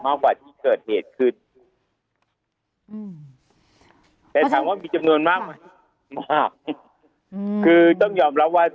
กว่าที่เกิดเหตุขึ้นอืมแต่ถามว่ามีจำนวนมากไหมมากอืมคือต้องยอมรับว่า